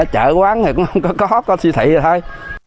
chợ quán thì cũng không có hót không có si thị gì thôi